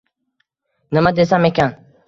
Nima desam ekan...